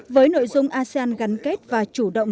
với nội dung asean gắn kết và chủ động